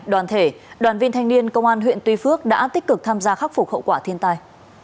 đoàn thể đoàn viên thanh niên công an huyện tuy phước đã tích cực tham gia khắc phục hậu quả thiên tai